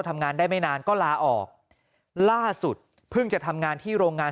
ทำงานได้ไม่นานก็ลาออกล่าสุดเพิ่งจะทำงานที่โรงงาน